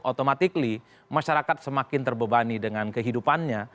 automatik masyarakat semakin terbebani dengan kehidupannya